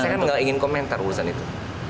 saya nggak ingin komentar urusan itu